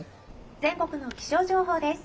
「全国の気象情報です。